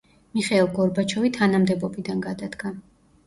მიხეილ გორბაჩოვი თანამდებობიდან გადადგა.